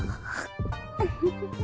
ウフフフ。